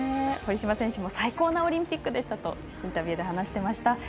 堀島選手も最高のオリンピックでしたとインタビューで話していました。